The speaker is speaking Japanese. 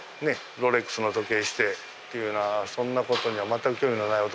ロレックスの時計してっていうようなそんなことには全く興味のない男なんでね。